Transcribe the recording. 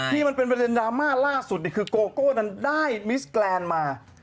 ที่มันเป็นประเด็นดราม่าล่าสุดคือโกโก้นั้นได้มิสแกรนด์มา